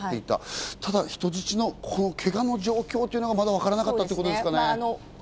ただ人質のけがの状況というのはまだわからなかったってことですかね。